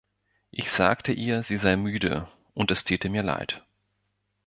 Ich sagte ihr, sie sei müde, und es täte mir leid.